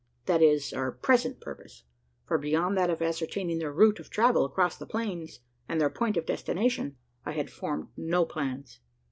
That is, our present purpose; for beyond that of ascertaining their route of travel across the plains, and their point of destination, I had formed no plans.